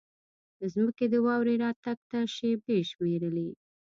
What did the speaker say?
ځمکې د واورې راتګ ته شېبې شمېرلې.